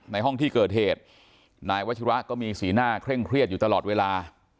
ในห้องที่เกิดเหตุนายวัชิระก็มีสีหน้าเคร่งเครียดอยู่ตลอดเวลา